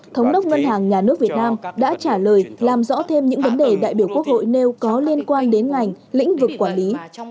thống đốc ngân hàng nhà nước việt nam đã trả lời làm rõ thêm những vấn đề đại biểu quốc hội nêu có liên quan đến ngành lĩnh vực quản lý